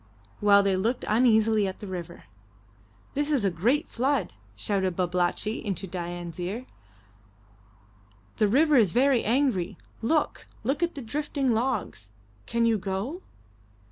while they looked uneasily at the river. "This is a great flood!" shouted Babalatchi into Dain's ear. "The river is very angry. Look! Look at the drifting logs! Can you go?"